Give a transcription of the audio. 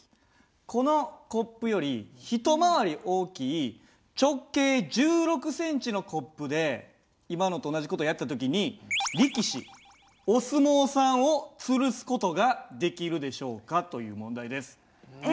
このコップより一回り大きい直径１６センチのコップで今のと同じ事をやった時に力士お相撲さんをつるす事ができるでしょうかという問題です。え？